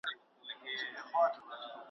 ما په تا کي حق لیدلی آیینې چي هېر مي نه کې ,